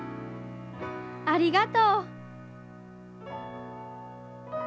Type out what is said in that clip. ありがとう。